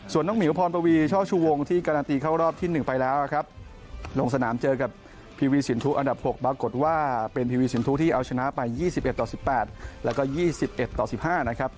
ส่วนน้องหมิวพรปวีช่อชู่วงที่การันตีเข้ารอบที่๑ไปแล้วนะครับ